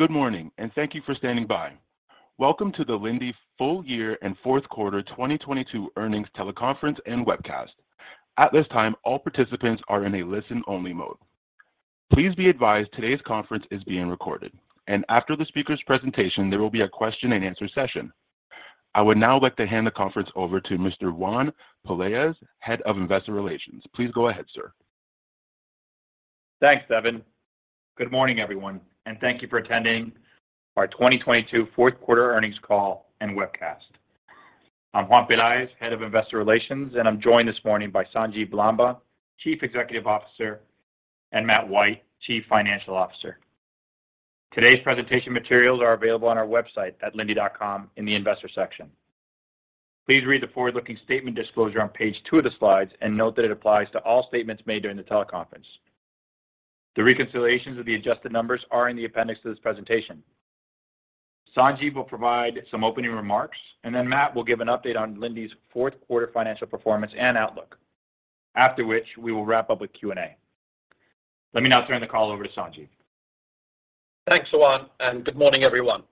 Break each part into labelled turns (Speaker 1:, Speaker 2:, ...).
Speaker 1: Good morning, and thank you for standing by. Welcome to the Linde full year and fourth quarter 2022 earnings teleconference and webcast. At this time, all participants are in a listen-only mode. Please be advised today's conference is being recorded, and after the speaker's presentation, there will be a question-and-answer session. I would now like to hand the conference over to Mr. Juan Pelaez, Head of Investor Relations. Please go ahead, sir.
Speaker 2: Thanks, Devin. Good morning, everyone, and thank you for attending our 2022 fourth quarter earnings call and webcast. I'm Juan Pelaez, Head of Investor Relations, and I'm joined this morning by Sanjiv Lamba, Chief Executive Officer, and Matt White, Chief Financial Officer. Today's presentation materials are available on our website at linde.com in the investor section. Please read the forward-looking statement disclosure on page two of the slides and note that it applies to all statements made during the teleconference. The reconciliations of the adjusted numbers are in the appendix to this presentation. Sanjiv will provide some opening remarks, and then Matt will give an update on Linde's fourth quarter financial performance and outlook. After which, we will wrap up with Q&A. Let me now turn the call over to Sanjiv.
Speaker 3: Thanks, Juan. Good morning, everyone.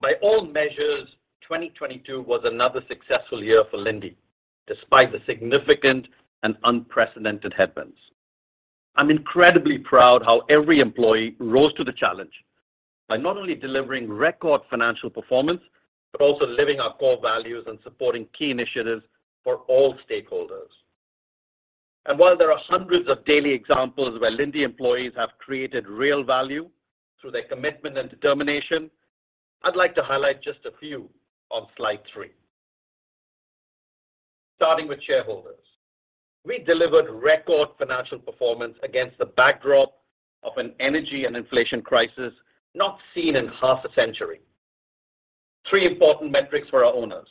Speaker 3: By all measures, 2022 was another successful year for Linde, despite the significant and unprecedented headwinds. I'm incredibly proud how every employee rose to the challenge by not only delivering record financial performance, but also living our core values and supporting key initiatives for all stakeholders. While there are hundreds of daily examples where Linde employees have created real value through their commitment and determination, I'd like to highlight just a few on slide three. Starting with shareholders. We delivered record financial performance against the backdrop of an energy and inflation crisis not seen in half a century. Three important metrics for our owners,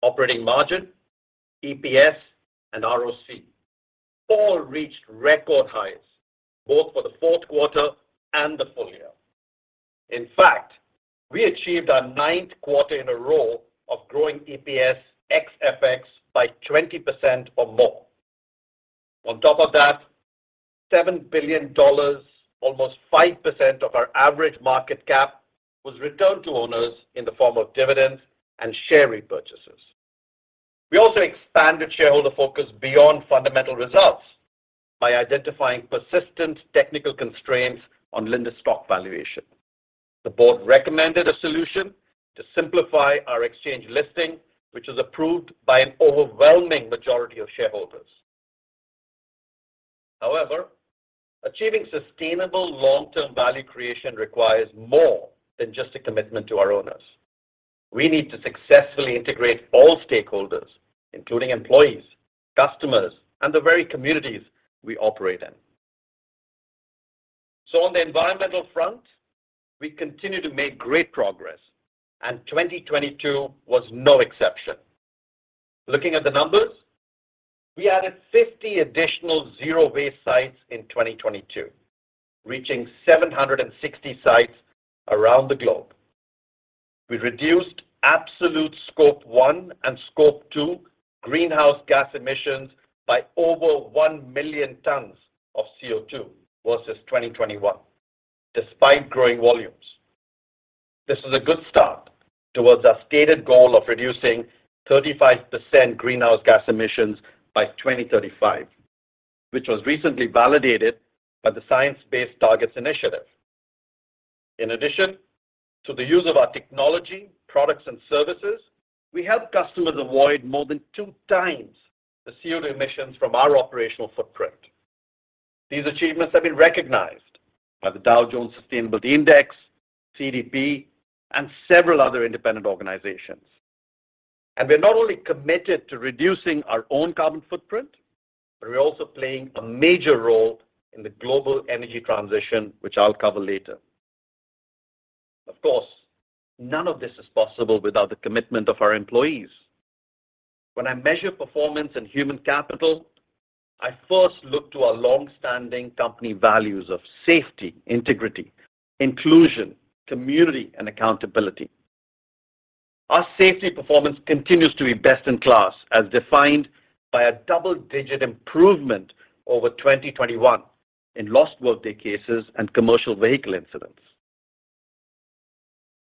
Speaker 3: operating margin, EPS, and ROC. All reached record highs, both for the fourth quarter and the full year. In fact, we achieved our ninth quarter in a row of growing EPS, EX-FX, by 20% or more. On top of that, $7 billion, almost 5% of our average market cap, was returned to owners in the form of dividends and share repurchases. We also expanded shareholder focus beyond fundamental results by identifying persistent technical constraints on Linde stock valuation. The board recommended a solution to simplify our exchange listing, which was approved by an overwhelming majority of shareholders. However, achieving sustainable long-term value creation requires more than just a commitment to our owners. We need to successfully integrate all stakeholders, including employees, customers, and the very communities we operate in. On the environmental front, we continue to make great progress, and 2022 was no exception. Looking at the numbers, we added 50 additional zero waste sites in 2022, reaching 760 sites around the globe. We reduced absolute Scope 1 and Scope 2 greenhouse gas emissions by over 1 million tons of CO₂ versus 2021, despite growing volumes. This is a good start towards our stated goal of reducing 35% greenhouse gas emissions by 2035, which was recently validated by the Science Based Targets initiative. In addition to the use of our technology, products, and services, we help customers avoid more than 2x the CO₂ emissions from our operational footprint. These achievements have been recognized by the Dow Jones Sustainability Index, CDP, and several other independent organizations. We're not only committed to reducing our own carbon footprint, but we're also playing a major role in the global energy transition, which I'll cover later. Of course, none of this is possible without the commitment of our employees. When I measure performance in human capital, I first look to our long-standing company values of safety, integrity, inclusion, community, and accountability. Our safety performance continues to be best in class, as defined by a double-digit improvement over 2021 in lost workday cases and commercial vehicle incidents.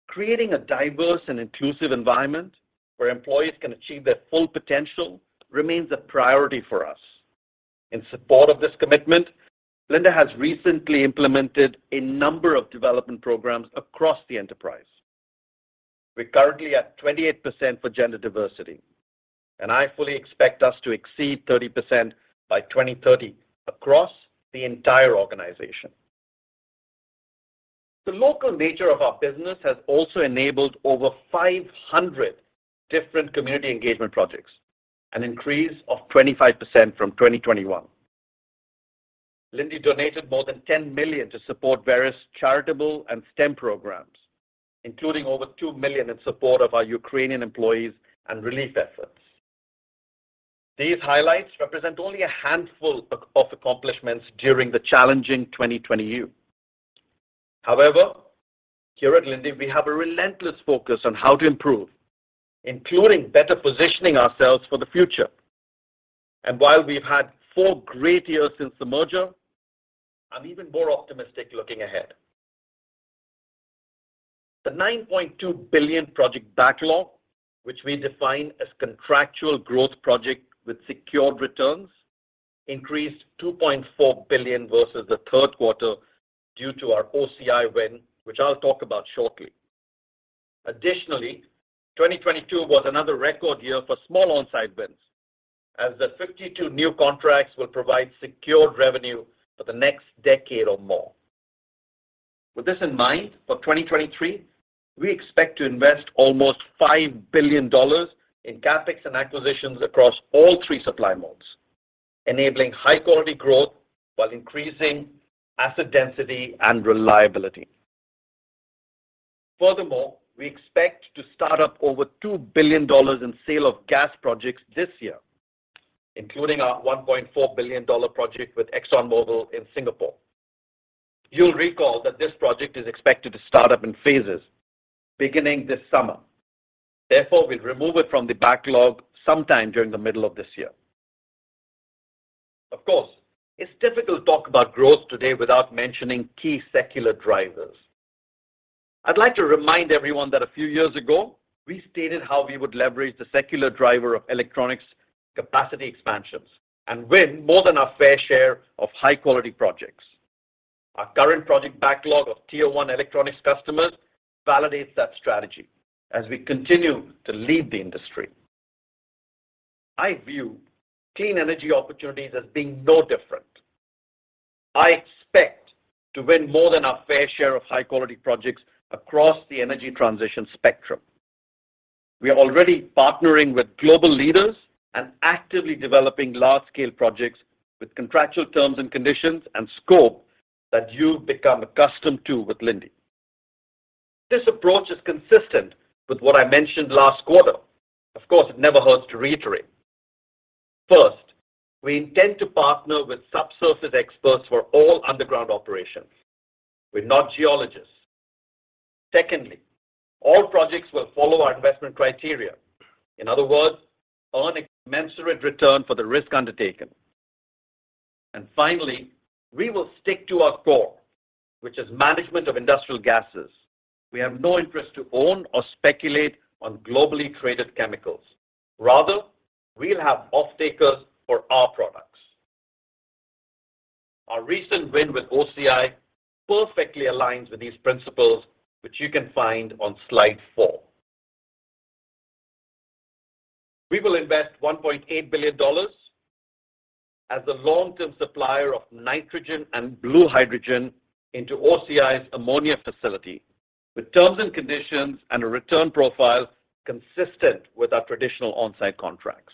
Speaker 3: Creating a diverse and inclusive environment where employees can achieve their full potential remains a priority for us. In support of this commitment, Linde has recently implemented a number of development programs across the enterprise. We're currently at 28% for gender diversity, and I fully expect us to exceed 30% by 2030 across the entire organization. The local nature of our business has also enabled over 500 different community engagement projects, an increase of 25% from 2021. Linde donated more than $10 million to support various charitable and STEM programs, including over $2 million in support of our Ukrainian employees and relief efforts. These highlights represent only a handful of accomplishments during the challenging 2020 year. However, here at Linde, we have a relentless focus on how to improve, including better positioning ourselves for the future. While we've had four great years since the merger, I'm even more optimistic looking ahead. The $9.2 billion project backlog, which we define as contractual growth project with secured returns, increased $2.4 billion versus the third quarter due to our OCI win, which I'll talk about shortly. Additionally, 2022 was another record year for small on-site wins, as the 52 new contracts will provide secured revenue for the next decade or more. With this in mind, for 2023, we expect to invest almost $5 billion in CapEx and acquisitions across all three supply modes, enabling high-quality growth while increasing asset density and reliability. We expect to start up over $2 billion in sale of gas projects this year, including our $1.4 billion project with Exxon Mobil in Singapore. You'll recall that this project is expected to start up in phases beginning this summer. We'll remove it from the backlog sometime during the middle of this year. It's difficult to talk about growth today without mentioning key secular drivers. I'd like to remind everyone that a few years ago, we stated how we would leverage the secular driver of electronics capacity expansions and win more than our fair share of high-quality projects. Our current project backlog of tier one electronics customers validates that strategy as we continue to lead the industry. I view clean energy opportunities as being no different. I expect to win more than our fair share of high-quality projects across the energy transition spectrum. We are already partnering with global leaders and actively developing large-scale projects with contractual terms and conditions and scope that you've become accustomed to with Linde. This approach is consistent with what I mentioned last quarter. Of course, it never hurts to reiterate. First, we intend to partner with subsurface experts for all underground operations. We're not geologists. Secondly, all projects will follow our investment criteria. In other words, earn a commensurate return for the risk undertaken. Finally, we will stick to our core, which is management of industrial gases. We have no interest to own or speculate on globally traded chemicals. Rather, we'll have off-takers for our products. Our recent win with OCI perfectly aligns with these principles, which you can find on slide four. We will invest $1.8 billion as the long-term supplier of nitrogen and blue hydrogen into OCI's ammonia facility, with terms and conditions and a return profile consistent with our traditional on-site contracts.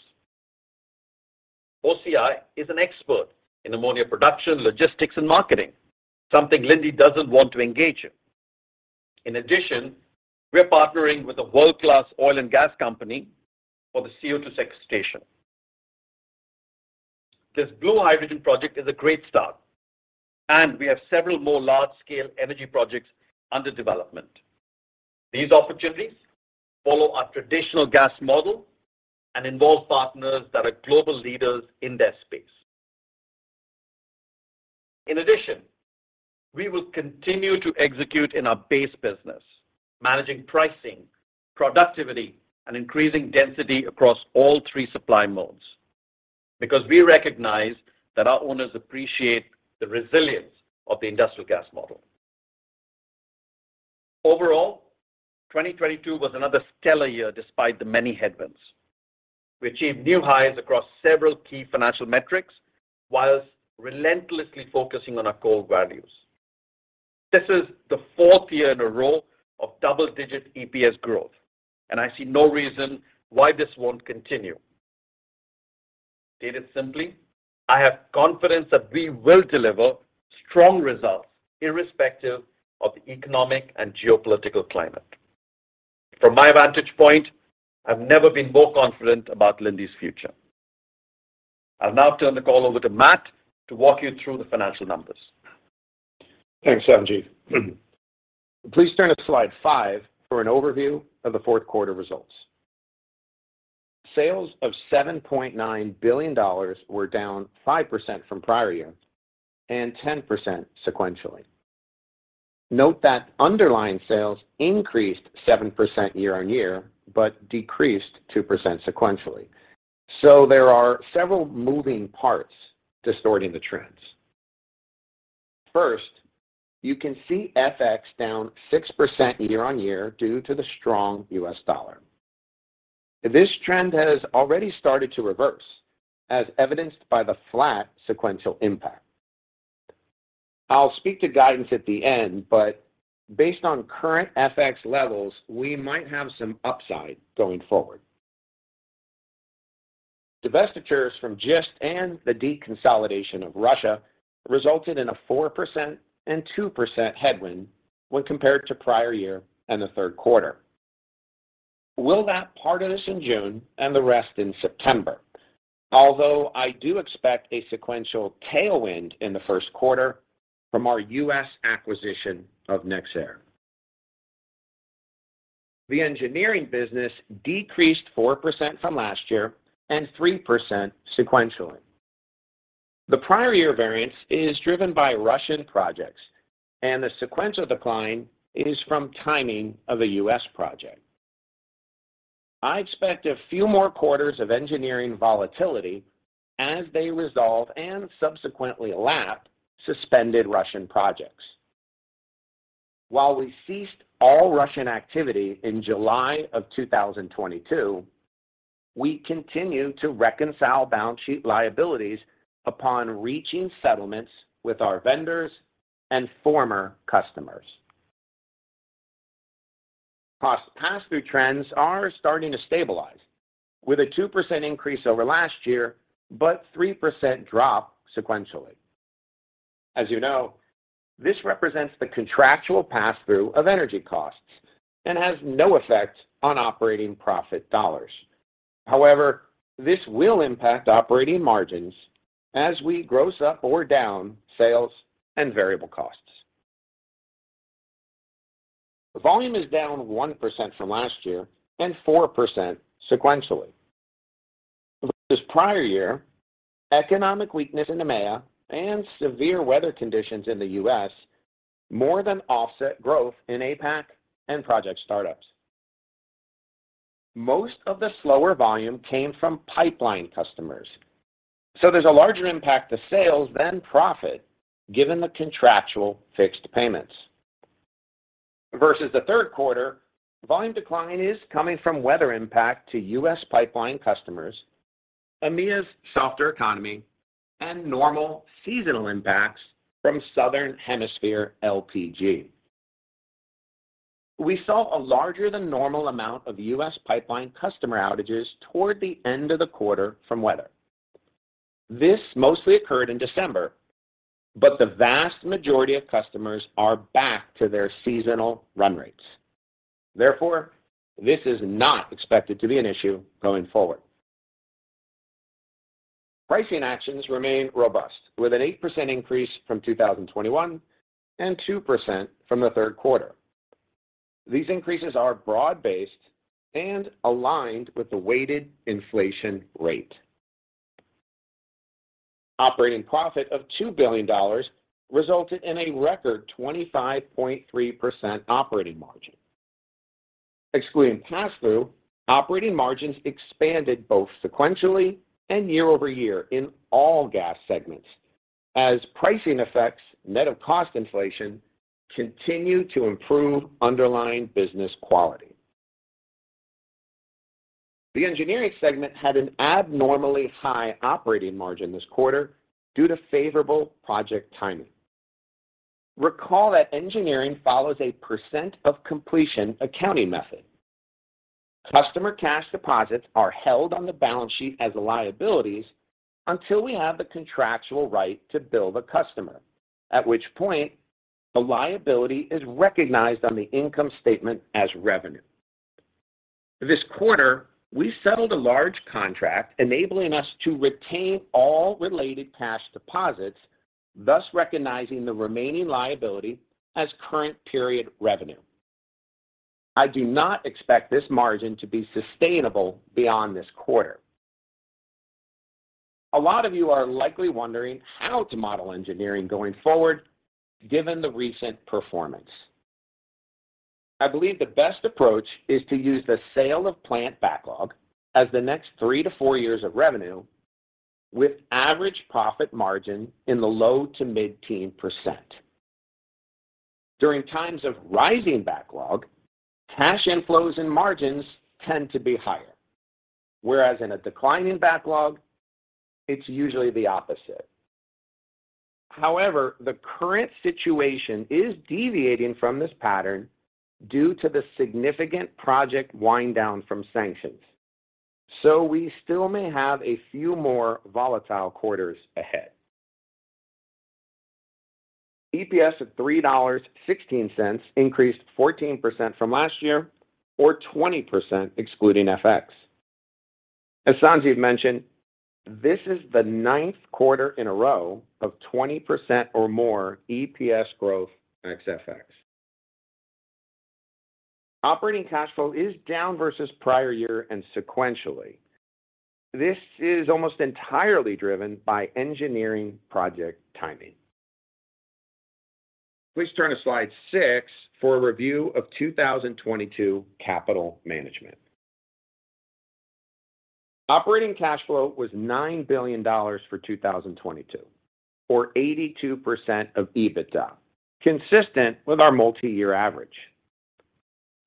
Speaker 3: OCI is an expert in ammonia production, logistics, and marketing, something Linde doesn't want to engage in. In addition, we're partnering with a world-class oil and gas company for the CO₂ sequestration. This blue hydrogen project is a great start, and we have several more large-scale energy projects under development. These opportunities follow our traditional gas model and involve partners that are global leaders in their space. In addition, we will continue to execute in our base business, managing pricing, productivity, and increasing density across all three supply modes, because we recognize that our owners appreciate the resilience of the industrial gas model. Overall, 2022 was another stellar year despite the many headwinds. We achieved new highs across several key financial metrics while relentlessly focusing on our core values. This is the fourth year in a row of double-digit EPS growth, and I see no reason why this won't continue. Stated simply, I have confidence that we will deliver strong results irrespective of the economic and geopolitical climate. From my vantage point, I've never been more confident about Linde's future. I'll now turn the call over to Matt to walk you through the financial numbers.
Speaker 4: Thanks, Sanjiv. Please turn to slide five for an overview of the fourth quarter results. Sales of $7.9 billion were down 5% from prior year and 10% sequentially. Note that underlying sales increased 7% year-on-year but decreased 2% sequentially. There are several moving parts distorting the trends. First, you can see FX down 6% year-on-year due to the strong U.S. dollar. This trend has already started to reverse, as evidenced by the flat sequential impact. I'll speak to guidance at the end, but based on current FX levels, we might have some upside going forward. Divestitures from Gist and the deconsolidation of Russia resulted in a 4% and 2% headwind when compared to prior year and the third quarter. We'll that part of this in June and the rest in September. Although I do expect a sequential tailwind in the first quarter from our U.S. acquisition of nexAir. The engineering business decreased 4% from last year and 3% sequentially. The prior year variance is driven by Russian projects, and the sequential decline is from timing of a U.S. project. I expect a few more quarters of engineering volatility as they resolve and subsequently lap suspended Russian projects. While we ceased all Russian activity in July of 2022, we continue to reconcile balance sheet liabilities upon reaching settlements with our vendors and former customers. Cost passthrough trends are starting to stabilize with a 2% increase over last year, but 3% drop sequentially. As you know, this represents the contractual passthrough of energy costs and has no effect on operating profit dollars. However, this will impact operating margins as we gross up or down sales and variable costs. Volume is down 1% from last year and 4% sequentially. Versus prior year, economic weakness in EMEA and severe weather conditions in the U.S. more than offset growth in APAC and project startups. Most of the slower volume came from pipeline customers. There's a larger impact to sales than profit given the contractual fixed payments. Versus the third quarter, volume decline is coming from weather impact to U.S. pipeline customers, EMEA's softer economy, and normal seasonal impacts from Southern Hemisphere LPG. We saw a larger than normal amount of U.S. pipeline customer outages toward the end of the quarter from weather. This mostly occurred in December. The vast majority of customers are back to their seasonal run rates. Therefore, this is not expected to be an issue going forward. Pricing actions remain robust with an 8% increase from 2021 and 2% from the third quarter. These increases are broad-based and aligned with the weighted inflation rate. Operating profit of $2 billion resulted in a record 25.3% operating margin. Excluding passthrough, operating margins expanded both sequentially and year-over-year in all gas segments as pricing effects, net of cost inflation, continue to improve underlying business quality. The engineering segment had an abnormally high operating margin this quarter due to favorable project timing. Recall that engineering follows a percent of completion accounting method. Customer cash deposits are held on the balance sheet as liabilities until we have the contractual right to bill the customer, at which point the liability is recognized on the income statement as revenue. This quarter, we settled a large contract enabling us to retain all related cash deposits, thus recognizing the remaining liability as current period revenue. I do not expect this margin to be sustainable beyond this quarter. A lot of you are likely wondering how to model engineering going forward given the recent performance. I believe the best approach is to use the sale of plant backlog as the next three to four years of revenue with average profit margin in the low to mid-teen percent. During times of rising backlog, cash inflows and margins tend to be higher, whereas in a declining backlog, it's usually the opposite. However, the current situation is deviating from this pattern due to the significant project wind down from sanctions. We still may have a few more volatile quarters ahead. EPS of $3.16 increased 14% from last year or 20% excluding FX. As Sanjiv mentioned, this is the ninth quarter in a row of 20% or more EPS growth ex FX. Operating cash flow is down versus prior year and sequentially. This is almost entirely driven by engineering project timing. Please turn to slide six for a review of 2022 capital management. Operating cash flow was $9 billion for 2022 or 82% of EBITDA, consistent with our multi-year average.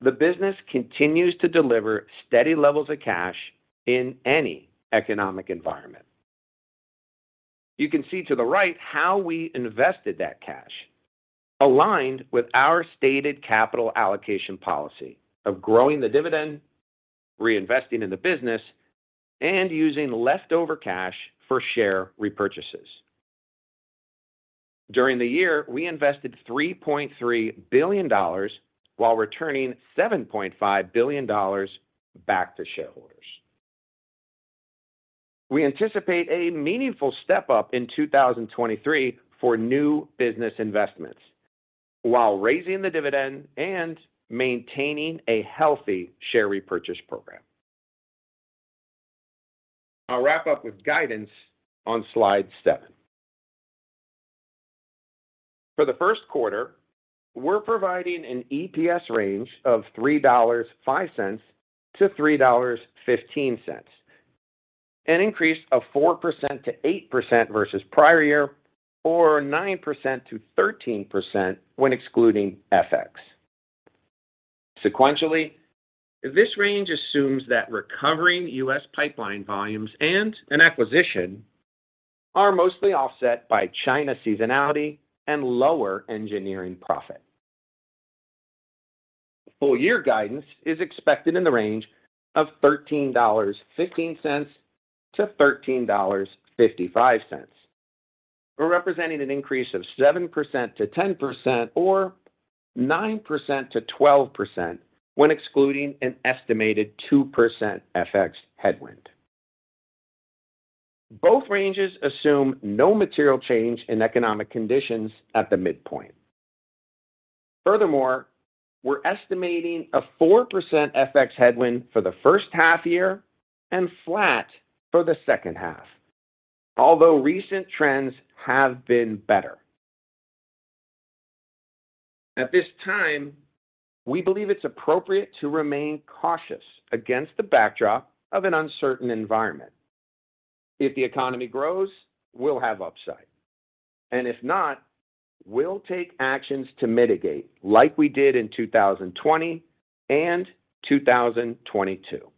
Speaker 4: The business continues to deliver steady levels of cash in any economic environment. You can see to the right how we invested that cash, aligned with our stated capital allocation policy of growing the dividend, reinvesting in the business, and using leftover cash for share repurchases. During the year, we invested $3.3 billion while returning $7.5 billion back to shareholders. We anticipate a meaningful step up in 2023 for new business investments while raising the dividend and maintaining a healthy share repurchase program. I'll wrap up with guidance on slide seven. For the first quarter, we're providing an EPS range of $3.05-$3.15, an increase of 4%-8% versus prior year or 9%-13% when excluding FX. Sequentially, this range assumes that recovering U.S. pipeline volumes and an acquisition are mostly offset by China seasonality and lower engineering profit. Full year guidance is expected in the range of $13.15-$13.55. We're representing an increase of 7%-10% or 9%-12% when excluding an estimated 2% FX headwind. Both ranges assume no material change in economic conditions at the midpoint. Furthermore, we're estimating a 4% FX headwind for the first half year and flat for the second half. Although recent trends have been better. At this time, we believe it's appropriate to remain cautious against the backdrop of an uncertain environment. If the economy grows, we'll have upside, and if not, we'll take actions to mitigate like we did in 2020 and 2022.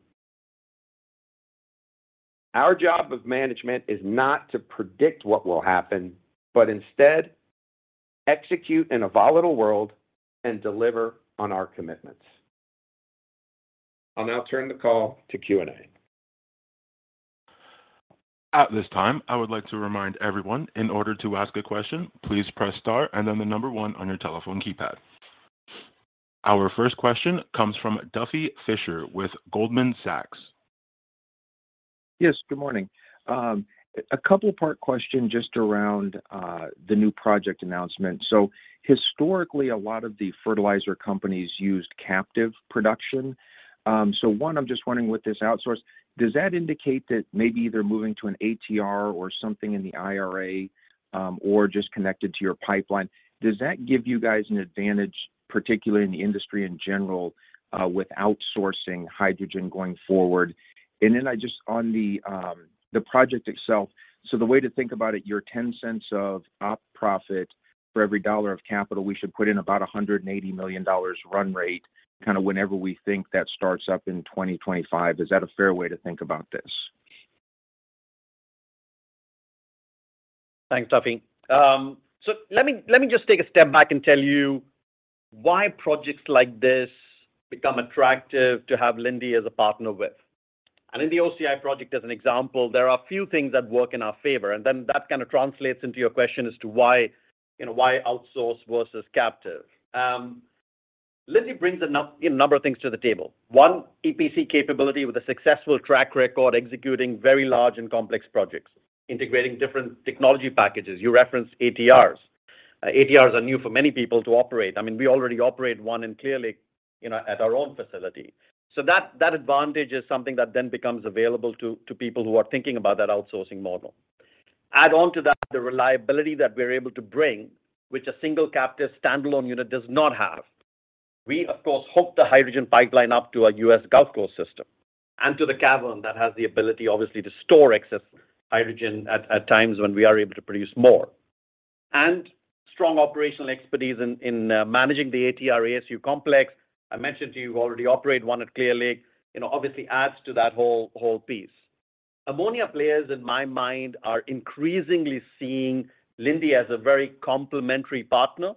Speaker 4: Our job of management is not to predict what will happen, but instead execute in a volatile world and deliver on our commitments. I'll now turn the call to Q&A.
Speaker 1: At this time, I would like to remind everyone in order to ask a question, please press star and then the number one on your telephone keypad. Our first question comes from Duffy Fischer with Goldman Sachs.
Speaker 5: Yes, good morning. A couple-part question just around the new project announcement. Historically, a lot of the fertilizer companies used captive production. I'm just wondering with this outsource, does that indicate that maybe they're moving to an ATR or something in the IRA, or just connected to your pipeline? Does that give you guys an advantage, particularly in the industry in general, with outsourcing hydrogen going forward? On the project itself, the way to think about it, your ten cents of op profit for every dollar of capital, we should put in about a $180 million run rate, kind of whenever we think that starts up in 2025. Is that a fair way to think about this?
Speaker 3: Thanks, Duffy. Let me just take a step back and tell you why projects like this become attractive to have Linde as a partner with. In the OCI project, as an example, there are a few things that work in our favor, and then that kind of translates into your question as to why, you know, why outsource versus captive. Linde brings a number of things to the table. One, EPC capability with a successful track record, executing very large and complex projects, integrating different technology packages. You referenced ATRs. ATRs are new for many people to operate. I mean, we already operate one in Clear Lake, you know, at our own facility. That, that advantage is something that then becomes available to people who are thinking about that outsourcing model. Add on to that, the reliability that we're able to bring, which a single captive standalone unit does not have. We, of course, hook the hydrogen pipeline up to our U.S. Gulf Coast system and to the cavern that has the ability, obviously, to store excess hydrogen at times when we are able to produce more. Strong operational expertise in managing the ATR, ASU complex. I mentioned to you, we already operate one at Clear Lake, you know, obviously, adds to that whole piece. Ammonia players, in my mind, are increasingly seeing Linde as a very complimentary partner,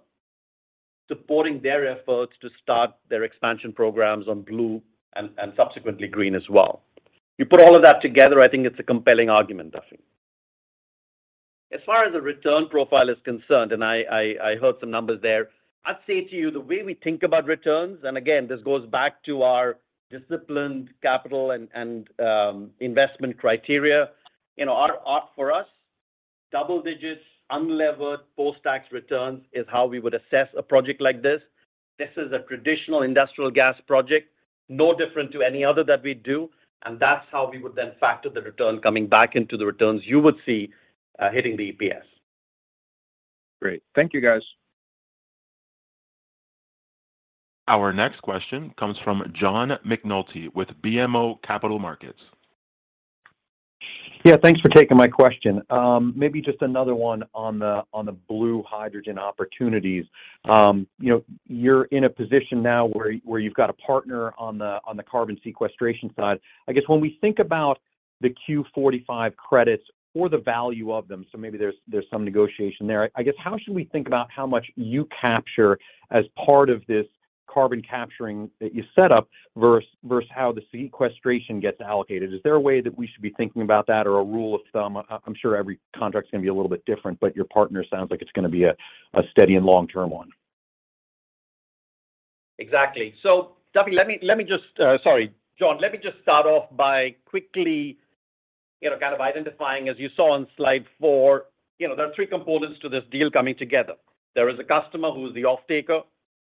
Speaker 3: supporting their efforts to start their expansion programs on blue and subsequently green as well. You put all of that together, I think it's a compelling argument, Duffy. As far as the return profile is concerned, and I heard some numbers there. I'd say to you the way we think about returns, and again, this goes back to our disciplined capital and investment criteria. You know, our op for us, double digits, unlevered, post-tax returns is how we would assess a project like this. This is a traditional industrial gas project, no different to any other that we do, and that's how we would then factor the return coming back into the returns you would see hitting the EPS.
Speaker 5: Great. Thank you guys.
Speaker 1: Our next question comes from John McNulty with BMO Capital Markets.
Speaker 6: Yeah, thanks for taking my question. Maybe just another one on the, on the blue hydrogen opportunities. You know, you're in a position now where you've got a partner on the, on the carbon sequestration side. I guess when we think about the 45Q credits or the value of them, maybe there's some negotiation there. I guess, how should we think about how much you capture as part of this carbon capturing that you set up versus how the sequestration gets allocated? Is there a way that we should be thinking about that or a rule of thumb? I'm sure every contract's gonna be a little bit different, your partner sounds like it's gonna be a steady and long-term one.
Speaker 3: Exactly. Dubby, let me just, sorry, John, let me just start off by quickly, you know, kind of identifying, as you saw on slide four, you know, there are three components to this deal coming together. There is a customer who is the off-taker.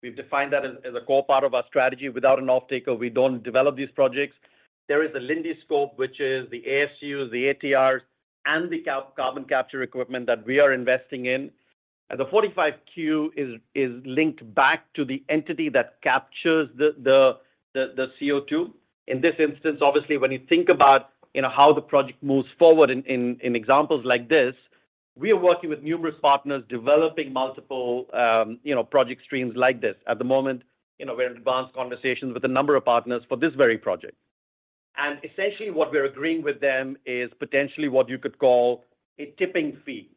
Speaker 3: We've defined that as a core part of our strategy. Without an off-taker, we don't develop these projects. There is a Linde scope, which is the ASUs, the ATRs, and the carbon capture equipment that we are investing in. The 45Q is linked back to the entity that captures the CO₂. In this instance, obviously, when you think about, you know, how the project moves forward in examples like this, we are working with numerous partners developing multiple, you know, project streams like this. At the moment, you know, we're in advanced conversations with a number of partners for this very project. Essentially what we're agreeing with them is potentially what you could call a tipping fee,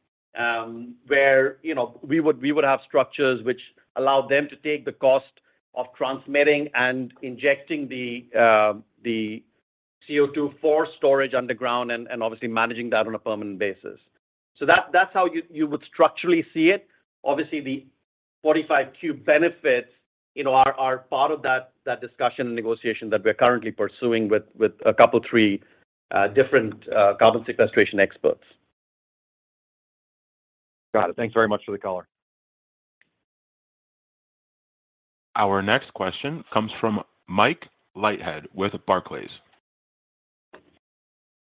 Speaker 3: where, you know, we would have structures which allow them to take the cost of transmitting and injecting the CO₂ for storage underground and obviously managing that on a permanent basis. That's how you would structurally see it. Obviously, the 45Q benefits, you know, are part of that discussion and negotiation that we're currently pursuing with a couple of three different carbon sequestration experts.
Speaker 6: Got it. Thanks very much for the color.
Speaker 1: Our next question comes from Mike Leithead with Barclays.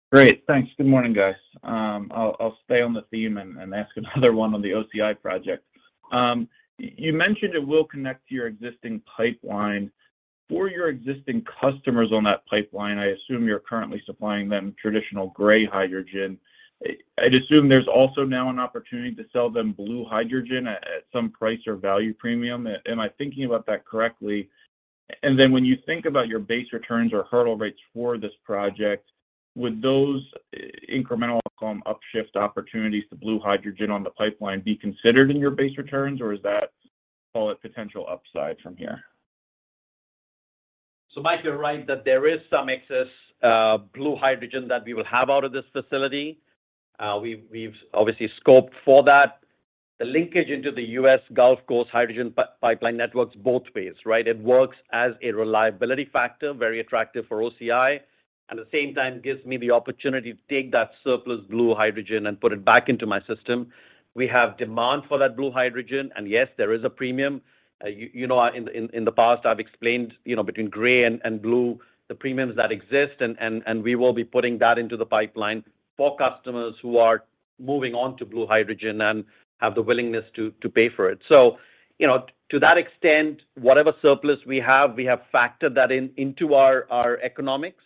Speaker 7: Great. Thanks. Good morning, guys. I'll stay on the theme and ask another one on the OCI project. You mentioned it will connect to your existing pipeline. For your existing customers on that pipeline, I assume you're currently supplying them traditional gray hydrogen. I'd assume there's also now an opportunity to sell them blue hydrogen at some price or value premium. Am I thinking about that correctly? When you think about your base returns or hurdle rates for this project, would those incremental outcome upshift opportunities to blue hydrogen on the pipeline be considered in your base returns, or is that, call it potential upside from here?
Speaker 3: Mike, you're right that there is some excess blue hydrogen that we will have out of this facility. We've obviously scoped for that. The linkage into the U.S. Gulf Coast hydrogen pipeline network's both ways, right? It works as a reliability factor, very attractive for OCI, at the same time, gives me the opportunity to take that surplus blue hydrogen and put it back into my system. We have demand for that blue hydrogen, and yes, there is a premium. You know, in the past, I've explained, you know, between gray and blue, the premiums that exist, and we will be putting that into the pipeline for customers who are moving on to blue hydrogen and have the willingness to pay for it. You know, to that extent, whatever surplus we have, we have factored that into our economics.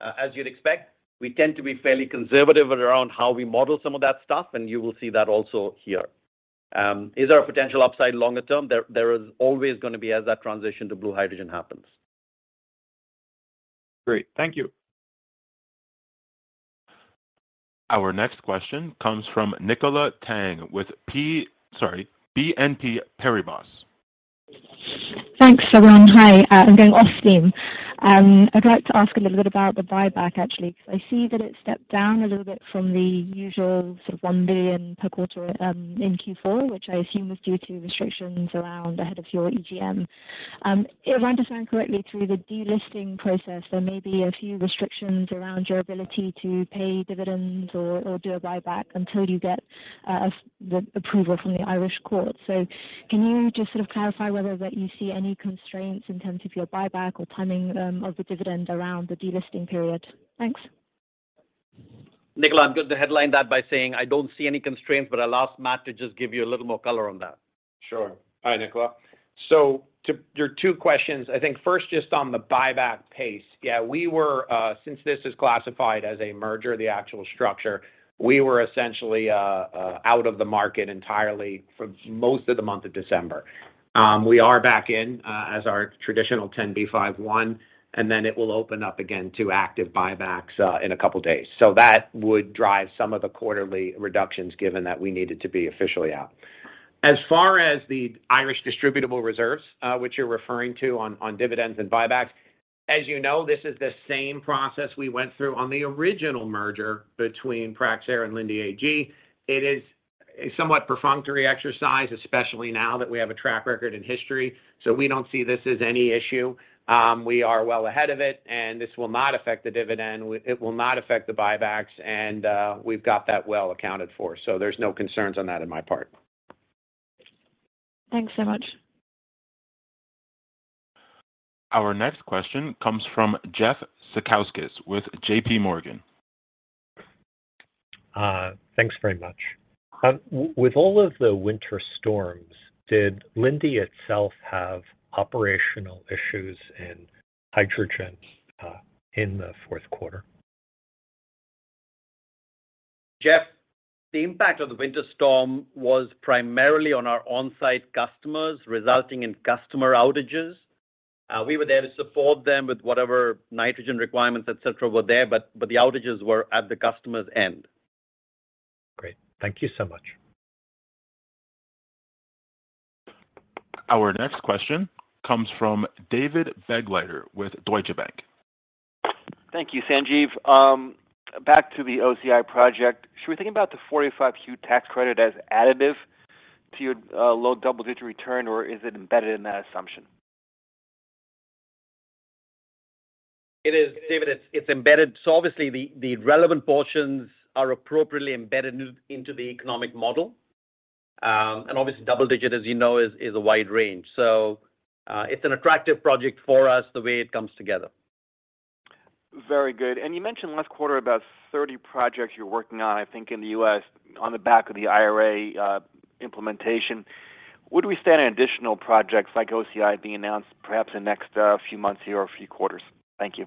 Speaker 3: As you'd expect, we tend to be fairly conservative around how we model some of that stuff, and you will see that also here. Is there a potential upside longer term? There is always gonna be as that transition to blue hydrogen happens.
Speaker 7: Great. Thank you.
Speaker 1: Our next question comes from Nicola Tang with, sorry, BNP Paribas.
Speaker 8: Thanks, everyone. Hi. I'm going off-theme. I'd like to ask a little bit about the buyback, actually, because I see that it stepped down a little bit from the usual sort of $1 billion per quarter in Q4, which I assume was due to restrictions around ahead of your EGM. If I understand correctly, through the delisting process, there may be a few restrictions around your ability to pay dividends or do a buyback until you get the approval from the Irish court. Can you just sort of clarify whether that you see any constraints in terms of your buyback or timing of the dividend around the delisting period? Thanks.
Speaker 3: Nicola, I'm good to headline that by saying I don't see any constraints, but I'll ask Matt to just give you a little more color on that.
Speaker 4: Sure. Hi, Nicola. To your two questions, I think first just on the buyback pace. We were, since this is classified as a merger, the actual structure, we were essentially out of the market entirely for most of the month of December. We are back in, as our traditional 10b5-1, and then it will open up again to active buybacks in a couple of days. That would drive some of the quarterly reductions given that we needed to be officially out. As far as the Irish distributable reserves, which you're referring to on dividends and buybacks, as you know, this is the same process we went through on the original merger between Praxair and Linde AG. It is a somewhat perfunctory exercise, especially now that we have a track record and history. We don't see this as any issue. We are well ahead of it, and this will not affect the dividend. It will not affect the buybacks, and we've got that well accounted for. There's no concerns on that in my part.
Speaker 8: Thanks so much.
Speaker 1: Our next question comes from Jeffrey Zekauskas with JPMorgan.
Speaker 9: Thanks very much. With all of the winter storms, did Linde itself have operational issues in hydrogen, in the fourth quarter?
Speaker 3: Jeff, the impact of the winter storm was primarily on our on-site customers, resulting in customer outages. We were there to support them with whatever nitrogen requirements, et cetera, were there, but the outages were at the customer's end.
Speaker 9: Great. Thank you so much.
Speaker 1: Our next question comes from David Begleiter with Deutsche Bank.
Speaker 10: Thank you, Sanjiv. Back to the OCI project, should we think about the Section 45Q tax credit as additive to your low double-digit return, or is it embedded in that assumption?
Speaker 3: It is, David. It's embedded. Obviously the relevant portions are appropriately embedded into the economic model. Obviously double digit, as you know, is a wide range. It's an attractive project for us the way it comes together.
Speaker 10: Very good. You mentioned last quarter about 30 projects you're working on, I think in the U.S. on the back of the IRA implementation. Would we stand additional projects like OCI being announced perhaps in the next few months here or a few quarters? Thank you.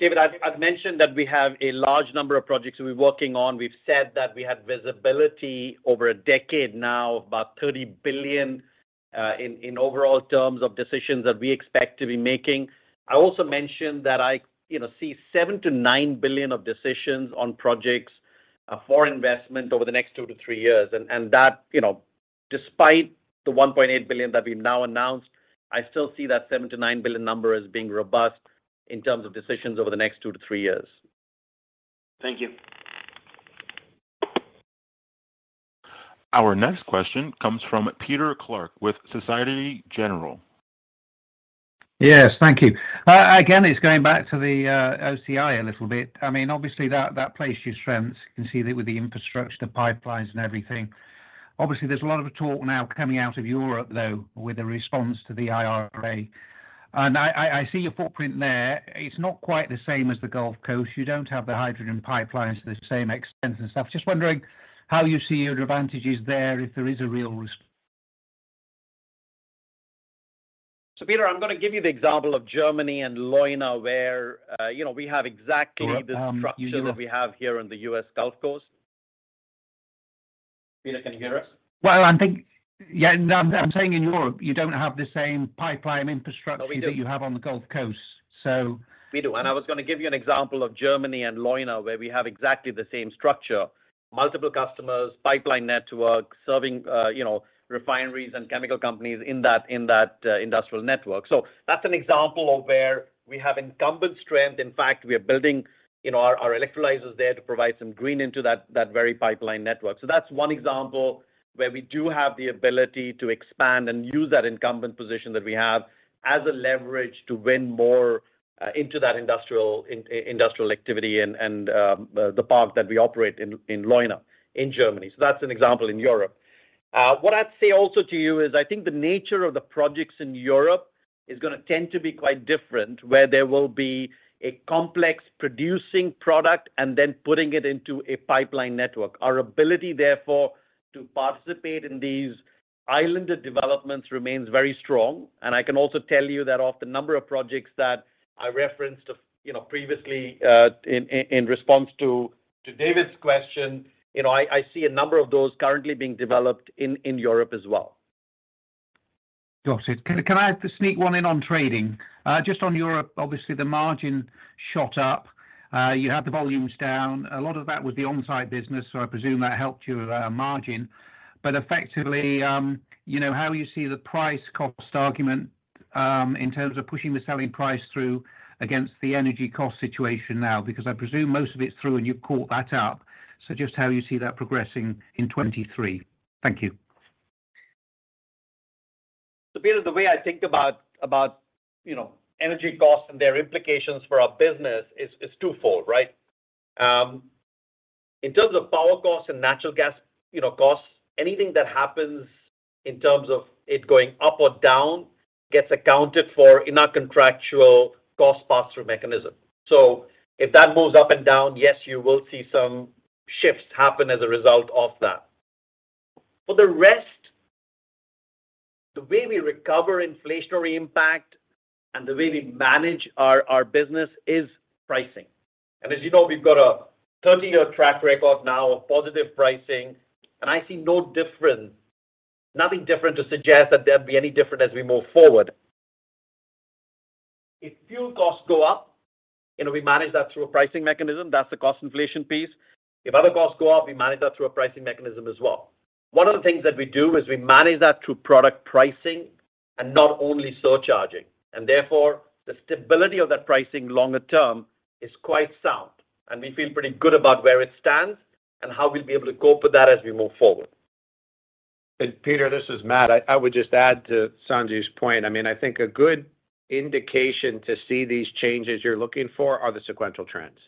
Speaker 3: David, I've mentioned that we have a large number of projects we're working on. We've said that we have visibility over a decade now of about $30 billion in overall terms of decisions that we expect to be making. I also mentioned that I, you know, see $7 billion-$9 billion of decisions on projects for investment over the next 2 to 3 years. That, you know, despite the $1.8 billion that we've now announced, I still see that $7 billion-$9 billion number as being robust in terms of decisions over the next 2 to 3 years.
Speaker 10: Thank you.
Speaker 1: Our next question comes from Peter Clark with Societe Generale.
Speaker 11: Yes, thank you. Again, it's going back to the OCI a little bit. I mean, obviously that plays to your strengths. You can see that with the infrastructure, the pipelines and everything. Obviously there's a lot of talk now coming out of Europe though, with a response to the IRA. I see your footprint there. It's not quite the same as the Gulf Coast. You don't have the hydrogen pipelines to the same extent and stuff. Just wondering how you see your advantages there, if there is a real risk?
Speaker 3: Peter, I'm gonna give you the example of Germany and Leuna where, you know, we have the structure that we have here in the U.S. Gulf Coast. Peter, can you hear us?
Speaker 11: Well, I think, yeah, no, I'm saying in Europe, you don't have the same pipeline infrastructure that you have on the Gulf Coast.
Speaker 3: We do. I was gonna give you an example of Germany and Leuna, where we have exactly the same structure, multiple customers, pipeline network serving, you know, refineries and chemical companies in that industrial network. That's an example of where we have incumbent strength. In fact, we are building, you know, our electrolyzers there to provide some Green into that very pipeline network. That's one example where we do have the ability to expand and use that incumbent position that we have as a leverage to win more into that industrial activity and the park that we operate in Leuna in Germany. That's an example in Europe. What I'd say also to you is I think the nature of the projects in Europe is gonna tend to be quite different, where there will be a complex producing product and then putting it into a pipeline network. Our ability, therefore, to participate in these islanded developments remains very strong. I can also tell you that of the number of projects that I referenced of, you know, previously, in response to David's question, you know, I see a number of those currently being developed in Europe as well.
Speaker 11: Got it. Can I sneak one in on trading? Just on Europe, obviously the margin shot up. You had the volumes down. A lot of that was the onsite business, so I presume that helped your margin. Effectively, you know, how you see the price cost argument in terms of pushing the selling price through against the energy cost situation now? Because I presume most of it's through and you've caught that up. Just how you see that progressing in 2023. Thank you.
Speaker 3: Peter, the way I think about, you know, energy costs and their implications for our business is two-fold, right? In terms of power costs and natural gas, you know, costs, anything that happens in terms of it going up or down gets accounted for in our contractual cost pass-through mechanism. If that moves up and down, yes, you will see some shifts happen as a result of that. For the rest, the way we recover inflationary impact and the way we manage our business is pricing. As you know, we've got a 30-year track record now of positive pricing, and I see no difference, nothing different to suggest that there'd be any different as we move forward. If fuel costs go up, you know, we manage that through a pricing mechanism. That's the cost inflation piece. If other costs go up, we manage that through a pricing mechanism as well. One of the things that we do is we manage that through product pricing and not only surcharging, and therefore the stability of that pricing longer term is quite sound, and we feel pretty good about where it stands and how we'll be able to cope with that as we move forward.
Speaker 4: Peter Clark, this is Matt White. I would just add to Sanjiv Lamba's point. I mean, I think a good indication to see these changes you're looking for are the sequential trends.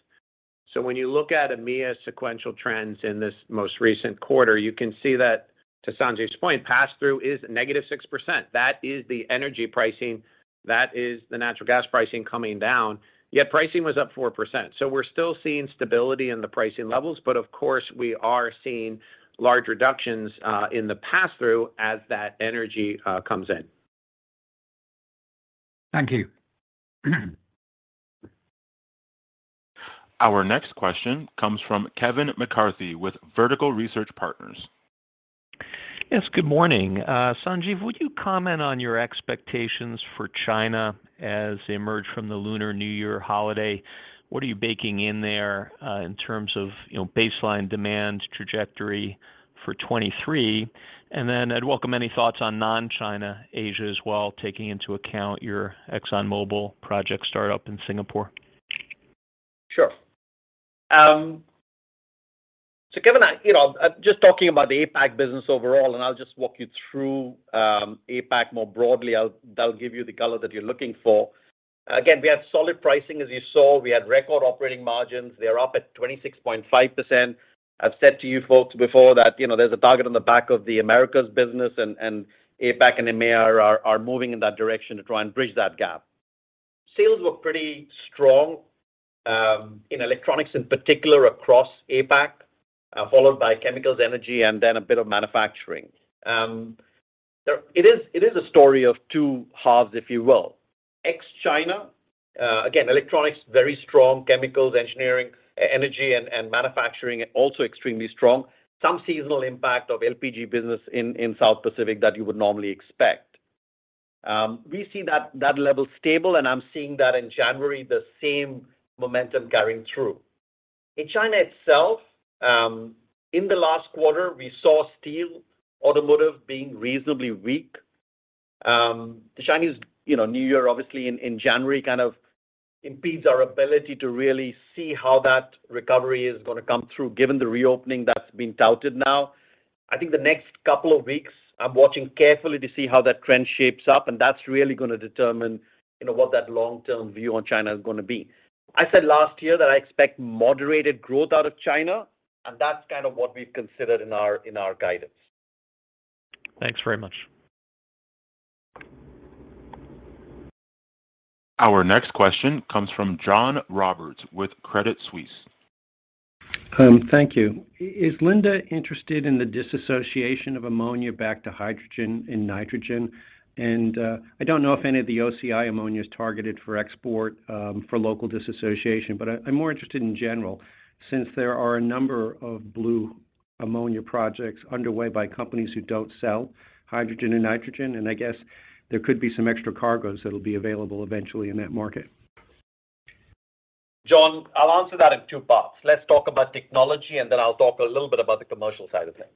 Speaker 4: When you look at EMEA sequential trends in this most recent quarter, you can see that, to Sanjiv Lamba's point, pass through is -6%. That is the energy pricing. That is the natural gas pricing coming down, yet pricing was up 4%. We're still seeing stability in the pricing levels, but of course we are seeing large reductions in the pass-through as that energy comes in.
Speaker 11: Thank you.
Speaker 1: Our next question comes from Kevin McCarthy with Vertical Research Partners.
Speaker 12: Yes, good morning. Sanjiv, would you comment on your expectations for China as they emerge from the Lunar New Year holiday? What are you baking in there, you know, in terms of baseline demand trajectory for 2023? I'd welcome any thoughts on non-China Asia as well, taking into account your ExxonMobil project startup in Singapore.
Speaker 3: Sure. Kevin, I, you know, I'm just talking about the APAC business overall, and I'll just walk you through APAC more broadly. That'll give you the color that you're looking for. Again, we have solid pricing, as you saw. We had record operating margins. They're up at 26.5%. I've said to you folks before that, you know, there's a target on the back of the Americas Business, and EMEA are moving in that direction to try and bridge that gap. Sales were pretty strong in electronics in particular across APAC, followed by chemicals, energy, and then a bit of manufacturing. It is, it is a story of two halves, if you will. Ex-China, again, electronics, very strong chemicals, engineering, energy and manufacturing also extremely strong. Some seasonal impact of LPG business in South Pacific that you would normally expect. We see that level stable. I'm seeing that in January, the same momentum carrying through. In China itself, in the last quarter, we saw steel, automotive being reasonably weak. The Chinese, you know, Lunar New Year obviously in January kind of impedes our ability to really see how that recovery is gonna come through given the reopening that's been touted now. I think the next couple of weeks, I'm watching carefully to see how that trend shapes up. That's really gonna determine, you know, what that long-term view on China is gonna be. I said last year that I expect moderated growth out of China. That's kind of what we've considered in our guidance.
Speaker 12: Thanks very much.
Speaker 1: Our next question comes from John Roberts with Credit Suisse.
Speaker 13: Thank you. Is Linde interested in the disassociation of ammonia back to hydrogen and nitrogen? I don't know if any of the OCI ammonia is targeted for export for local disassociation, but I'm more interested in general since there are a number of blue ammonia projects underway by companies who don't sell hydrogen and nitrogen, and I guess there could be some extra cargoes that'll be available eventually in that market.
Speaker 3: John, I'll answer that in two parts. Let's talk about technology, and then I'll talk a little bit about the commercial side of things.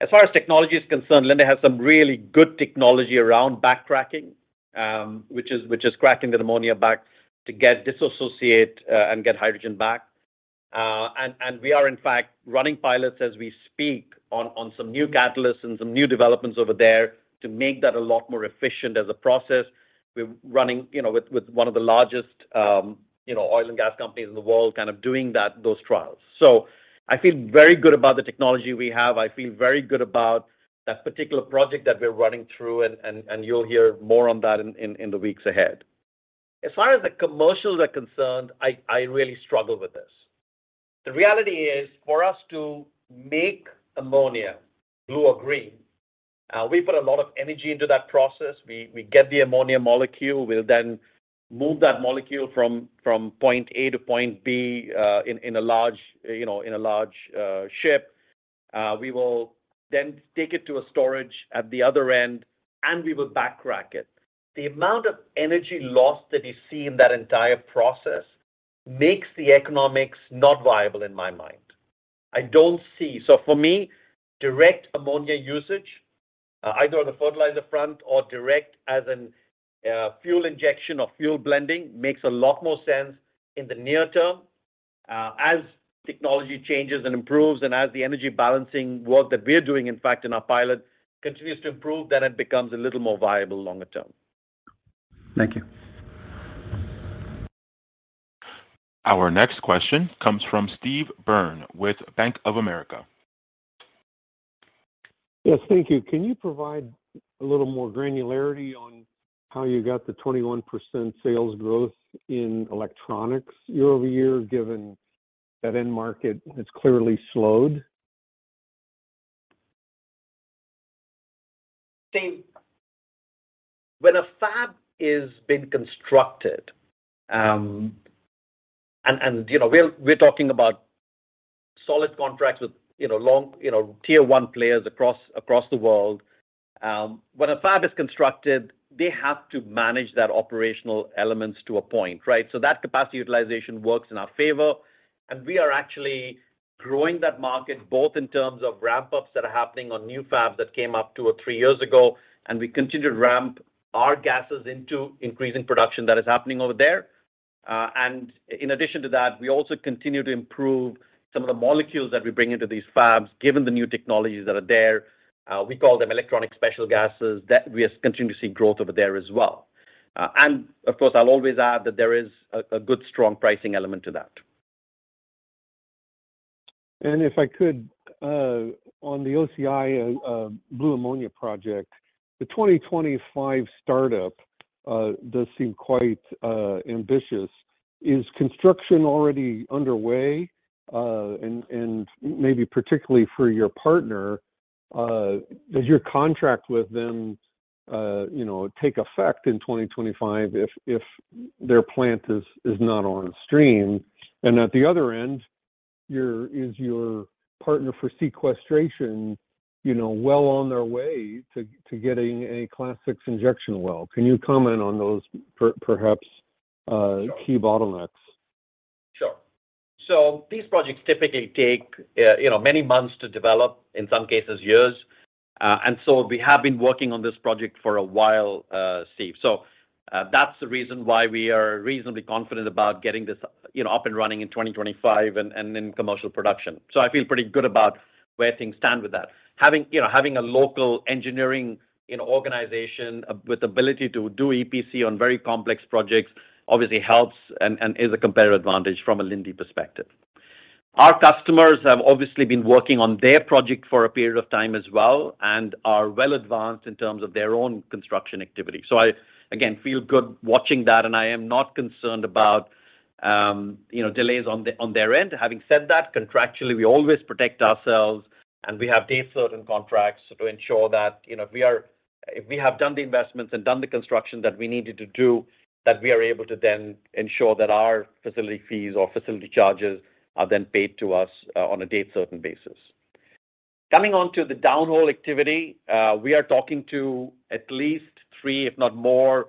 Speaker 3: As far as technology is concerned, Linde has some really good technology around backtracking, which is cracking the ammonia back to get dissociate and get hydrogen back. And we are in fact running pilots as we speak on some new catalysts and some new developments over there to make that a lot more efficient as a process. We're running, you know, with one of the largest, you know, oil and gas companies in the world kind of doing that, those trials. I feel very good about the technology we have. I feel very good about that particular project that we're running through and you'll hear more on that in the weeks ahead. As far as the commercials are concerned, I really struggle with this. The reality is for us to make ammonia blue or green, we put a lot of energy into that process. We get the ammonia molecule. We'll then move that molecule from point A to point B, in a large, you know, in a large ship. We will then take it to a storage at the other end, and we will back rack it. The amount of energy lost that you see in that entire process makes the economics not viable in my mind. I don't see, for me, direct ammonia usage, either on the fertilizer front or direct as in, fuel injection or fuel blending makes a lot more sense in the near term. As technology changes and improves, and as the energy balancing work that we're doing, in fact in our pilot, continues to improve, then it becomes a little more viable longer term.
Speaker 13: Thank you.
Speaker 1: Our next question comes from Steve Byrne with Bank of America.
Speaker 14: Yes. Thank you. Can you provide a little more granularity on how you got the 21% sales growth in electronics year-over-year, given that end market has clearly slowed?
Speaker 3: Steve, when a fab is being constructed, you know, we're talking about solid contracts with, you know, long, you know, tier one players across the world. When a fab is constructed, they have to manage that operational elements to a point, right? That capacity utilization works in our favor, and we are actually growing that market both in terms of ramp-ups that are happening on new fabs that came up two or three years ago, and we continue to ramp our gases into increasing production that is happening over there. In addition to that, we also continue to improve some of the molecules that we bring into these fabs given the new technologies that are there. We call them electronics specialty gases that we are continuing to see growth over there as well. Of course, I'll always add that there is a good strong pricing element to that.
Speaker 14: If I could, on the OCI blue ammonia project, the 2025 startup does seem quite ambitious. Is construction already underway? Maybe particularly for your partner, does your contract with them, you know, take effect in 2025 if their plant is not on stream? At the other end, is your partner for sequestration, you know, well on their way to getting a Class VI injection well? Can you comment on those perhaps key bottlenecks?
Speaker 3: Sure. These projects typically take, you know, many months to develop, in some cases, years. We have been working on this project for a while, Steve. That's the reason why we are reasonably confident about getting this, you know, up and running in 2025 and in commercial production. I feel pretty good about where things stand with that. Having, you know, a local engineering, you know, organization with ability to do EPC on very complex projects obviously helps and is a competitive advantage from a Linde perspective. Our customers have obviously been working on their project for a period of time as well and are well advanced in terms of their own construction activity. I, again, feel good watching that, and I am not concerned about, you know, delays on their end. Having said that, contractually we always protect ourselves, and we have date certain contracts to ensure that, you know, if we have done the investments and done the construction that we needed to do, that we are able to then ensure that our facility fees or facility charges are then paid to us on a date certain basis. Coming on to the downhole activity, we are talking to at least three, if not more,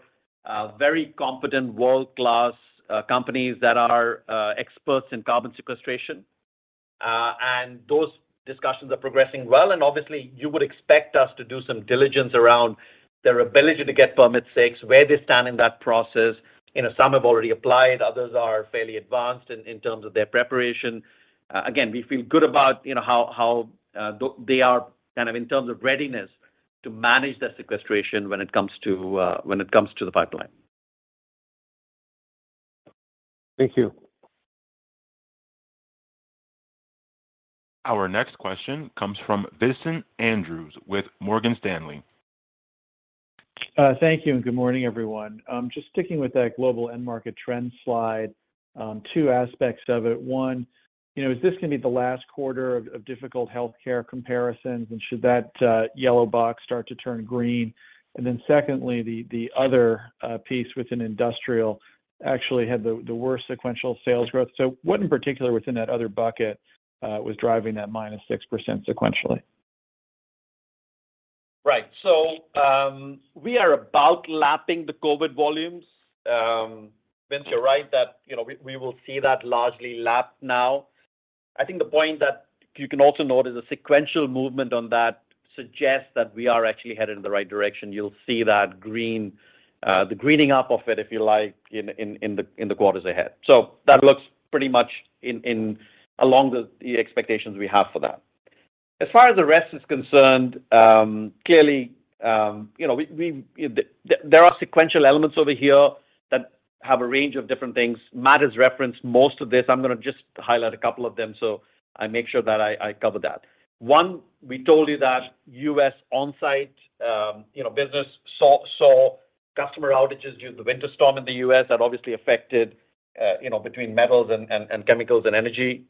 Speaker 3: very competent world-class companies that are experts in carbon sequestration. Those discussions are progressing well, and obviously you would expect us to do some diligence around their ability to get permit stakes, where they stand in that process. You know, some have already applied, others are fairly advanced in terms of their preparation. Again, we feel good about, you know, how they are kind of in terms of readiness to manage that sequestration when it comes to, when it comes to the pipeline.
Speaker 14: Thank you.
Speaker 1: Our next question comes from Vincent Andrews with Morgan Stanley.
Speaker 15: Thank you and good morning, everyone. Just sticking with that global end market trend slide, two aspects of it. One, you know, is this gonna be the last quarter of difficult healthcare comparisons, and should that yellow box start to turn green? Secondly, the other piece within industrial actually had the worst sequential sales growth. What in particular within that other bucket was driving that -6% sequentially?
Speaker 3: Right. We are about lapping the COVID volumes. Vince, you're right that, you know, we will see that largely lapped now. I think the point that you can also note is the sequential movement on that suggests that we are actually headed in the right direction. You'll see that Green, the greening up of it, if you like, in the quarters ahead. That looks pretty much in along the expectations we have for that. As far as the rest is concerned, clearly, you know, there are sequential elements over here that have a range of different things. Matt has referenced most of this. I'm gonna just highlight a couple of them, so I make sure that I cover that. One, we told you that U.S. onsite, you know, business saw customer outages due to the winter storm in the U.S. that obviously affected, you know, between metals and chemicals and energy.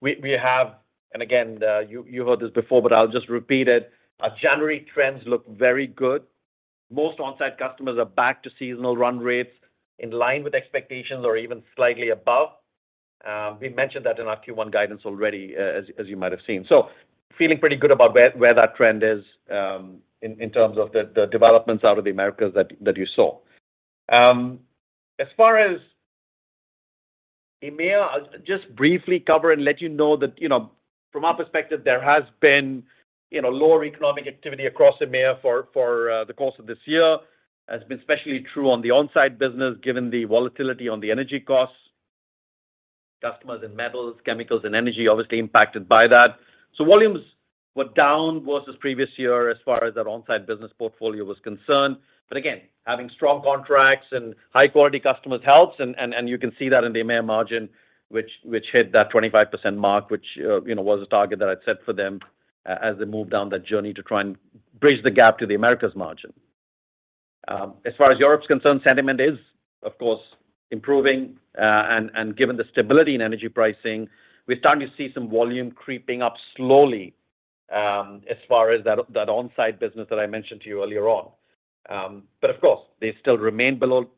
Speaker 3: We have. Again, you heard this before, but I'll just repeat it. Our January trends look very good. Most onsite customers are back to seasonal run rates in line with expectations or even slightly above. We mentioned that in our Q1 guidance already, as you might have seen. Feeling pretty good about where that trend is in terms of the developments out of the Americas that you saw. As far as EMEA, I'll just briefly cover and let you know that from our perspective, there has been lower economic activity across EMEA for the course of this year. Has been especially true on the onsite business, given the volatility on the energy costs. Customers in metals, chemicals, and energy obviously impacted by that. Volumes were down versus previous year as far as our onsite business portfolio was concerned. Again, having strong contracts and high-quality customers helps and you can see that in the EMEA margin, which hit that 25% mark, which was a target that I'd set for them as they move down that journey to try and bridge the gap to the Americas margin. As far as Europe's concerned, sentiment is of course improving, and given the stability in energy pricing, we're starting to see some volume creeping up slowly, as far as that onsite business that I mentioned to you earlier on. Of course, they still remain below,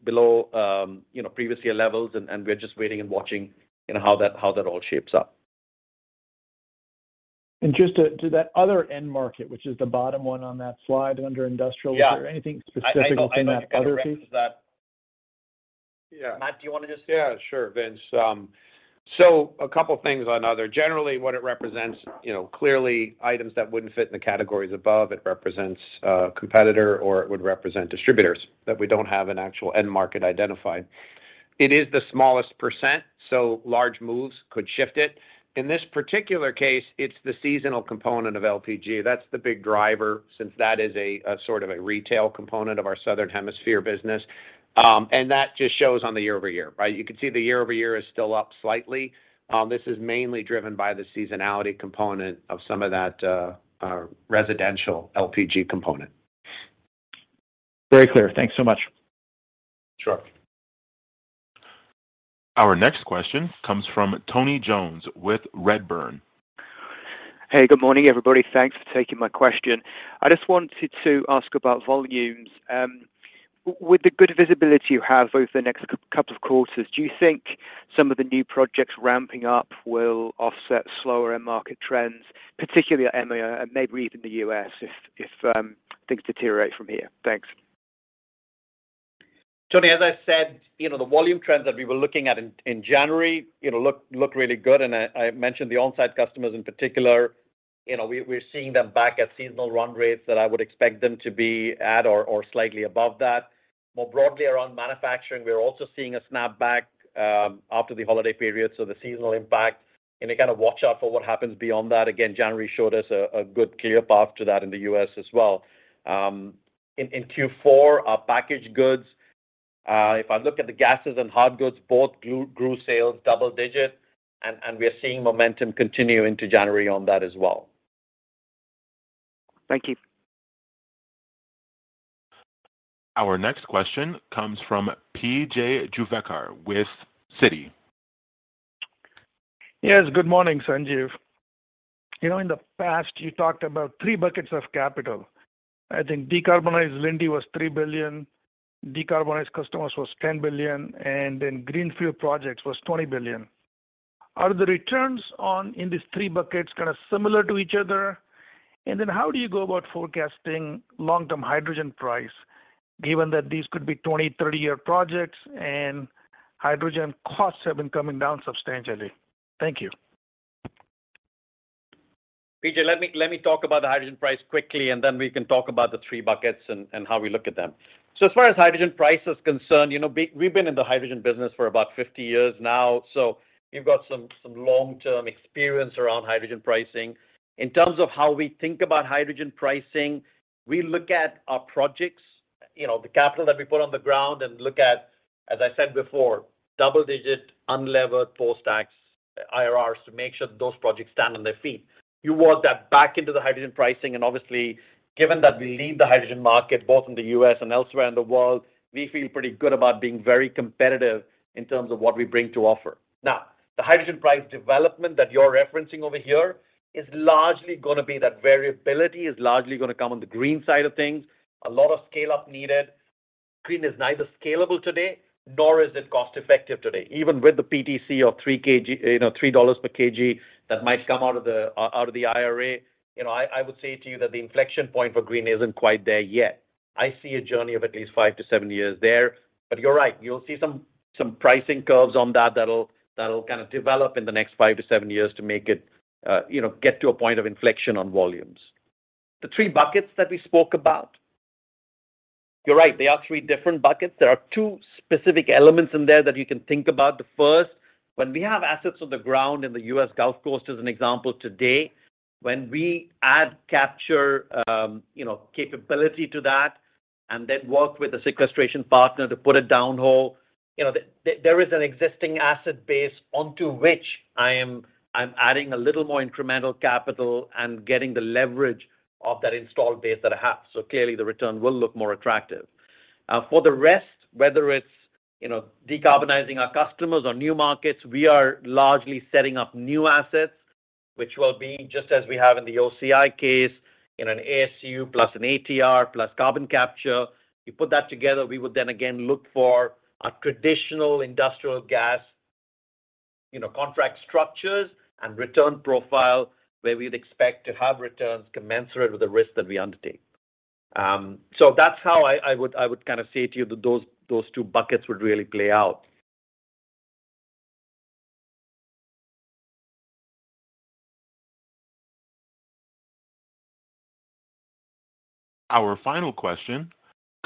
Speaker 3: you know, previous year levels and we're just waiting and watching, you know, how that, how that all shapes up.
Speaker 15: Just to that other end market, which is the bottom one on that slide under industrial.
Speaker 3: Yeah.
Speaker 15: Is there anything specific within that other piece?
Speaker 3: I'll kind of reference that.
Speaker 4: Yeah.
Speaker 3: Matt, do you wanna?
Speaker 4: Yeah, sure, Vince. A couple things on other. Generally, what it represents, you know, clearly items that wouldn't fit in the categories above. It represents, competitor, or it would represent distributors that we don't have an actual end market identified. It is the smallest percent, large moves could shift it. In this particular case, it's the seasonal component of LPG. That's the big driver since that is a sort of a retail component of our Southern Hemisphere business. That just shows on the year-over-year, right? You can see the year-over-year is still up slightly. This is mainly driven by the seasonality component of some of that residential LPG component.
Speaker 15: Very clear. Thanks so much.
Speaker 4: Sure.
Speaker 1: Our next question comes from Tony Jones with Redburn.
Speaker 16: Hey, good morning, everybody. Thanks for taking my question. I just wanted to ask about volumes. with the good visibility you have over the next couple of quarters, do you think some of the new projects ramping up will offset slower end market trends, particularly at EMEA and maybe even the U.S. if things deteriorate from here? Thanks.
Speaker 3: Tony, as I said, you know, the volume trends that we were looking at in January, you know, look really good. I mentioned the on-site customers in particular. You know, we're seeing them back at seasonal run rates that I would expect them to be at or slightly above that. More broadly around manufacturing, we are also seeing a snapback after the holiday period, so the seasonal impact, you gotta watch out for what happens beyond that. Again, January showed us a good clear path to that in the U.S. as well. In Q4, our packaged goods, if I look at the gases and hard goods, both grew sales double digit and we are seeing momentum continue into January on that as well.
Speaker 16: Thank you.
Speaker 1: Our next question comes from P.J. Juvekar with Citi.
Speaker 17: Yes. Good morning, Sanjiv. You know, in the past, you talked about three buckets of capital. I think decarbonized Linde was $3 billion, decarbonized customers was $10 billion, and then greenfield projects was $20 billion. Are the returns on in these three buckets kinda similar to each other? How do you go about forecasting long-term hydrogen price, given that these could be 20-year, 30-year projects and hydrogen costs have been coming down substantially? Thank you.
Speaker 3: PJ, let me talk about the hydrogen price quickly, and then we can talk about the three buckets and how we look at them. As far as hydrogen price is concerned, you know, we've been in the hydrogen business for about 50 years now. We've got some long-term experience around hydrogen pricing. In terms of how we think about hydrogen pricing, we look at our projects, you know, the capital that we put on the ground and look at, as I said before, double-digit unlevered post-tax IRRs to make sure that those projects stand on their feet. You work that back into the hydrogen pricing, and obviously, given that we lead the hydrogen market both in the U.S. and elsewhere in the world, we feel pretty good about being very competitive in terms of what we bring to offer. The hydrogen price development that you're referencing over here is largely going to be that variability, is largely going to come on the green side of things. A lot of scale up needed. Green is neither scalable today, nor is it cost-effective today. Even with the PTC of 3 kg, you know, $3 per kg that might come out of the IRA, you know, I would say to you that the inflection point for Green isn't quite there yet. I see a journey of at least 5 to 7 years there. You're right, you'll see some pricing curves on that that'll kind of develop in the next 5 to 7 years to make it, you know, get to a point of inflection on volumes. The three buckets that we spoke about, you're right, they are three different buckets. There are two specific elements in there that you can think about. The first, when we have assets on the ground in the U.S. Gulf Coast as an example today, when we add capture, you know, capability to that and then work with a sequestration partner to put a down hole, you know, there is an existing asset base onto which I am, I'm adding a little more incremental capital and getting the leverage of that installed base that I have. Clearly the return will look more attractive. For the rest, whether it's, you know, decarbonizing our customers or new markets, we are largely setting up new assets, which will be just as we have in the OCI case, in an ASU plus an ATR plus carbon capture. You put that together, we would then again look for a traditional industrial gas, you know, contract structures and return profile where we'd expect to have returns commensurate with the risk that we undertake. That's how I would kind of say to you that those two buckets would really play out.
Speaker 1: Our final question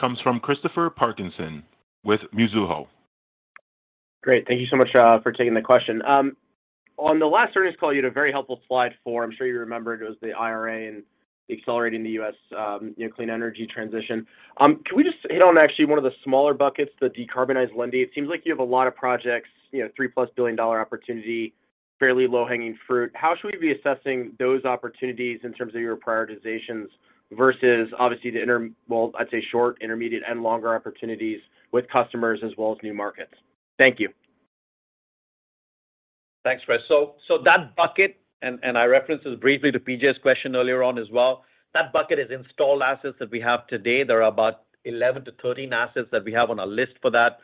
Speaker 1: comes from Christopher Parkinson with Mizuho.
Speaker 18: Great. Thank you so much for taking the question. On the last earnings call, you had a very helpful slide for, I'm sure you remember it was the IRA and accelerating the U.S., you know, clean energy transition. Can we just hit on actually one of the smaller buckets, the decarbonized Linde? It seems like you have a lot of projects, you know, $3+ billion opportunity, fairly low-hanging fruit. How should we be assessing those opportunities in terms of your prioritizations versus obviously the well, I'd say short, intermediate, and longer opportunities with customers as well as new markets? Thank you.
Speaker 3: Thanks, Chris. That bucket, and I referenced this briefly to PJ's question earlier on as well, that bucket is installed assets that we have today. There are about 11 to 13 assets that we have on our list for that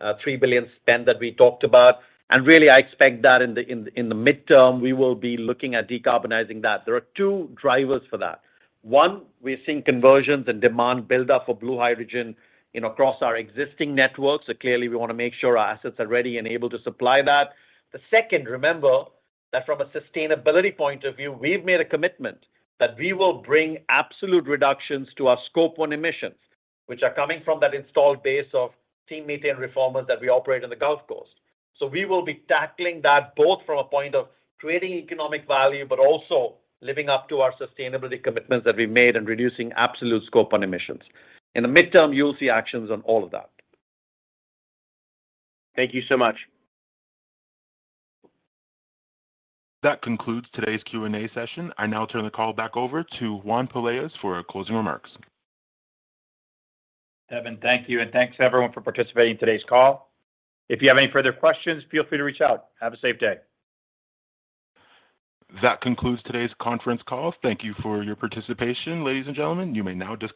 Speaker 3: $3 billion spend that we talked about. Really, I expect that in the midterm, we will be looking at decarbonizing that. There are two drivers for that. One, we're seeing conversions and demand build up for blue hydrogen, you know, across our existing networks. Clearly we wanna make sure our assets are ready and able to supply that. The second, remember that from a sustainability point of view, we've made a commitment that we will bring absolute reductions to our Scope 1 emissions, which are coming from that installed base of steam methane reformers that we operate on the Gulf Coast. We will be tackling that both from a point of creating economic value, but also living up to our sustainability commitments that we've made and reducing absolute Scope 1 emissions. In the midterm, you'll see actions on all of that.
Speaker 18: Thank you so much.
Speaker 1: That concludes today's Q&A session. I now turn the call back over to Juan Pelaez for closing remarks.
Speaker 2: Kevin, thank you, and thanks everyone for participating in today's call. If you have any further questions, feel free to reach out. Have a safe day.
Speaker 1: That concludes today's conference call. Thank you for your participation. Ladies and gentlemen, you may now disconnect.